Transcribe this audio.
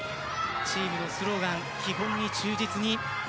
チームのスローガン基本に忠実に。